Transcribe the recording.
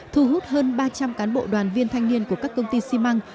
thu hút hơn ba trăm linh cán bộ đoàn viên thanh niên của các công ty xi măng